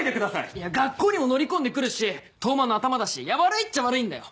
いや学校にも乗り込んでくるし東卍の頭だしいや悪いっちゃ悪いんだよ。